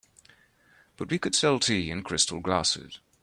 But we could sell tea in crystal glasses.